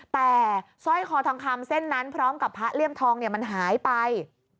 แต่สร้อยคอทองคำเส้นนั้นพร้อมกับพระเลี่ยมทองมันหายไป